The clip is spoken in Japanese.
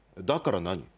だから何？